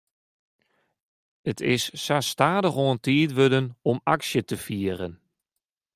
It is sa stadichoan tiid wurden om aksje te fieren.